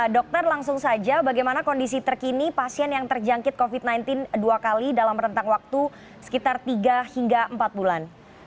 dokter langsung saja bagaimana kondisi terkini pasien yang terjangkit covid sembilan belas dua kali dalam rentang waktu sekitar tiga hingga empat bulan